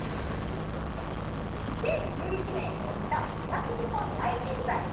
２０１１年に起きた東日本大震災。